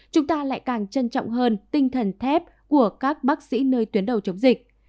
chúng ta lại càng trân trọng hơn tinh thần thép của các bác sĩ nơi tuyến đầu chống dịch